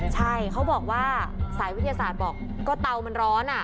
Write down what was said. ใช่เขาบอกว่าสายวิทยาศาสตร์บอกก็เตามันร้อน